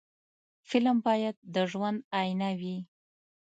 فلم باید د ژوند آیینه وي